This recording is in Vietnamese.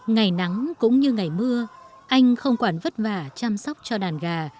ngày nắng cũng như ngày mưa anh không quản vất vả chăm sóc cho đàn gà